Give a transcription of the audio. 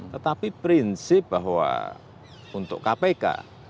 tetapi prinsip bahwa untuk kpk